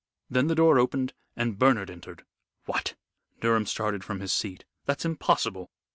Then the door opened and Bernard entered." "What!" Durham started from his seat. "That's impossible."